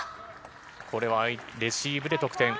これはレシーブで得点。